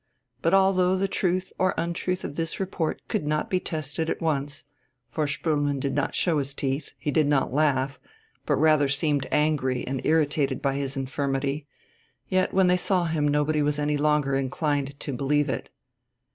But although the truth or untruth of this report could not be tested at once for Spoelmann did not show his teeth, he did not laugh, but rather seemed angry and irritated by his infirmity yet when they saw him nobody was any longer inclined to believe it.